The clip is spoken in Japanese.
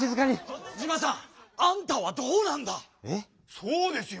そうですよ。